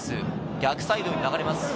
逆サイドに流れます。